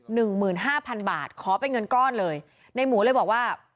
หนึ่งหมื่นห้าพันบาทขอเป็นเงินก้อนเลยในหมูเลยบอกว่า